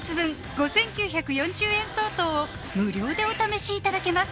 ５９４０円相当を無料でお試しいただけます